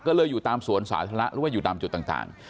ก็เลยอยู่ตามสวนสาธารณะหรือว่าอยู่ตามจุดต่าง